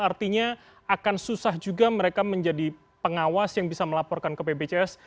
artinya akan susah juga mereka menjadi pengawas yang bisa melaporkan ke bpjs